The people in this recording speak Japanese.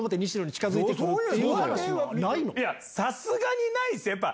いやさすがにないっすよ。